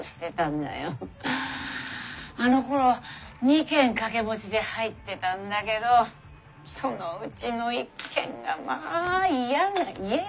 あのころ２軒掛け持ちで入ってたんだけどそのうちの一軒がまあ嫌な家でね。